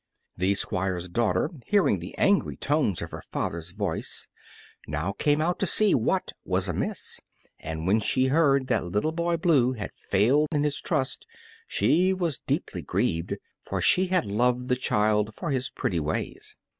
The Squire's daughter, hearing the angry tones of her father's voice, now came out to see what was amiss, and when she heard that Little Boy Blue had failed in his trust she was deeply grieved, for she had loved the child for his pretty ways.